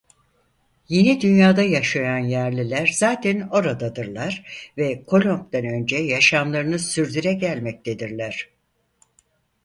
Yeni Dünya'da yaşayan yerliler zaten oradadırlar ve Kolomb'tan önce yaşamlarını sürdüre gelmektedirler.